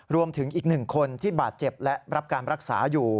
รวมถึงอีกหนึ่งคนที่บาดเจ็บและรับการรักษาอยู่